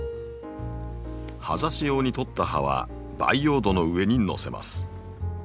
葉ざし用に取った葉は培養土の上にのせます。